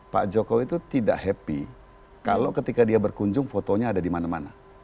pak jokowi itu tidak happy kalau ketika dia berkunjung fotonya ada di mana mana